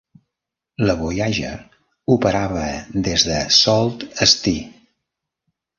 La Voyager operava des de Sault Ste.